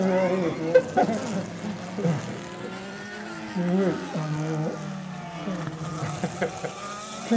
すごいあの。